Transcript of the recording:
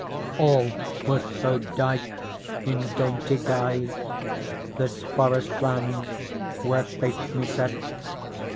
All was so dight in dainty guise. This forest land where fate me set.